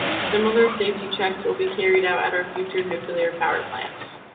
Similar safety checks will be carried out at our future nuclear power plants.